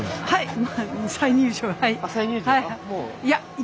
はい。